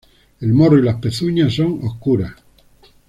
El morro y las pezuñas son oscuras.